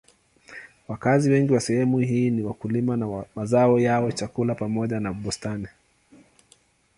Wakazi wengi wa sehemu hii ni wakulima wa mazao ya chakula pamoja na bustani.